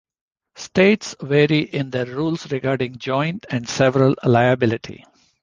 States vary in their rules regarding joint and several liability.